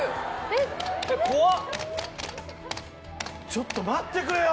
ちょっと待ってくれよ。